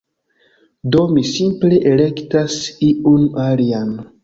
Do, mi simple elektas iun alian